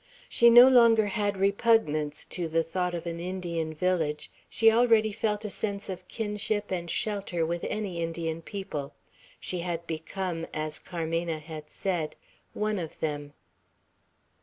She no longer had repugnance to the thought of an Indian village; she already felt a sense of kinship and shelter with any Indian people. She had become, as Carmena had said, "one of them."